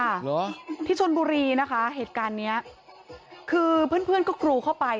ตกหรือที่ชลบุหรี่นะคะเหตุค้านี้คือเพื่อนก็กรูเข้าไป